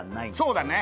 そうだね